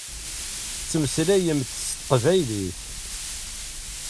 Tettmeslayemt s teqbaylit.